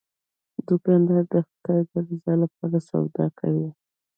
دوکاندار د خدای د رضا لپاره سودا کوي.